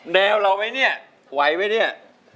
แนวเราไหมเนี่ยไหวไหมเนี่ย